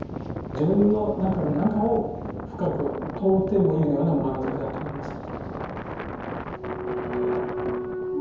自分の中の中を深く問うてもいるようなまなざしだと思いますけどね。